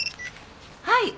はい。